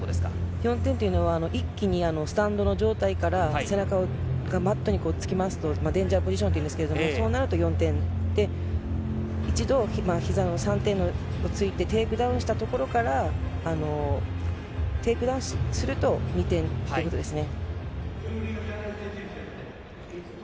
４点というのは、一気にスタンドの状態から背中がマットにつきますと、デンジャーポジションというんですけれども、そうなると４点で、一度、ひざを、３点をついて、テイクダウンしたところからテイクダウンすると２点ということですね。